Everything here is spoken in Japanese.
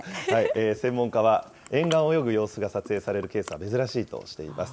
専門家は、沿岸を泳ぐ様子が撮影されるケースは珍しいとしています。